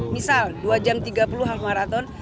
misal dua jam tiga puluh hal marathon